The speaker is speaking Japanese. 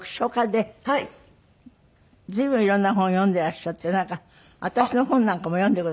随分いろんな本を読んでらっしゃってなんか私の本なんかも読んでくだすったんですって？